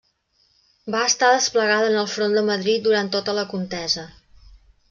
Va estar desplegada en el front de Madrid durant tota la contesa.